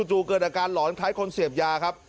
เกิดอาการหลอนคล้ายคนเสพยาครับ